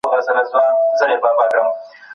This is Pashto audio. ښوونځي زدهکوونکو ته د وخت ارزښت ښيي.